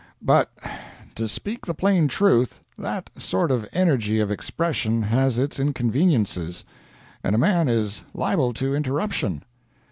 But, to speak the plain truth, that sort of energy of expression has its inconveniences, and a man is liable to interruption.